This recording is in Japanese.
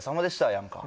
やんか